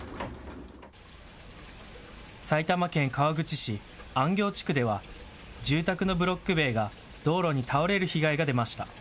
埼玉県川口市安行地区では住宅のブロック塀が道路に倒れる被害が出ました。